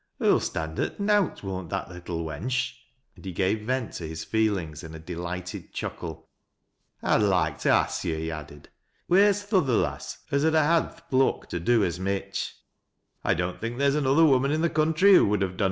Hoo'll #tond at nowt, wout that little wench," and he gave veni to his feelings in a delighted chuckle. " I'd loike to a> 142 TEAT LASS CP LOWRimS. Yo\" he aided, "wheer's th' other lass, as ud ha' had tl, pluck to do as mich? "" I don't think there is another woman in the country who would have doi.